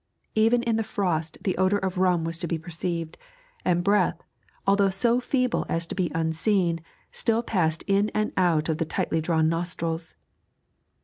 Even in the frost the odour of rum was to be perceived, and breath, although so feeble as to be unseen, still passed in and out of the tightly drawn nostrils.